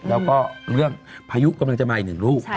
แล้วก็เรื่องพายุกำลังจะมาอีกหนึ่งลูก